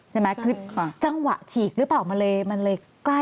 ใช่ไหมคือจังหวะฉีกหรือเปล่ามันเลยมันเลยกล้า